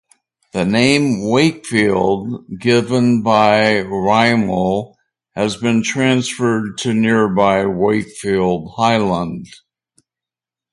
The name "Wakefield", given by Rymill, has been transferred to nearby Wakefield Highland.